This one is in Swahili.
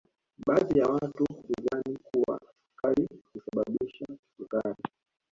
Baadhi ya watu hudhani kuwa sukari husababisha kisukari